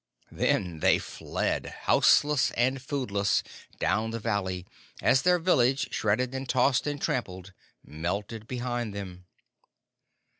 Then they fled, houseless and foodless, down the valley, as their village, shredded and tossed and trampled, melted behind them.